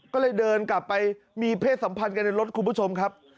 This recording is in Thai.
ก็เลยเดินกลับไปมีเพศสัมพันธ์กันในรถคุณผู้ชมครับ